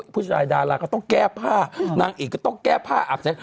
ผู้ชายดาราก็ต้องแก้ผ้านางเอกก็ต้องแก้ผ้าอาบใส่